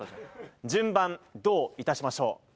順番どういたしましょう？